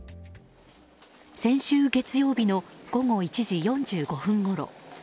先週月曜日の午後１時４５分ごろ。